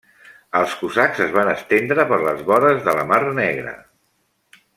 Els cosacs es van estendre per les vores de la mar Negra.